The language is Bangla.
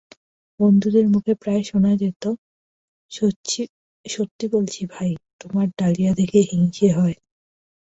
বন্ধুদের মুখে প্রায় শোনা যেত—সত্যি বলছি ভাই, তোমার ডালিয়া দেখে হিংসে হয়।